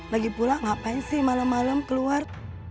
lagipula ngapain sih malam malam keluar